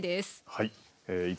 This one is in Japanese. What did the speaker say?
はい。